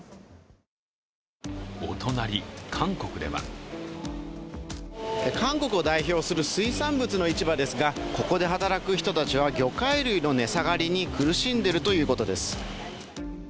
お隣、韓国では韓国を代表する水産物の市場ですがここで働く人たちは魚介類の値下がりに苦しんでいるということです。